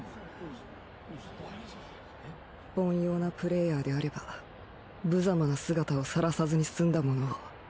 凡庸なプレーヤーであればぶざまな姿をさらさずに済んだものを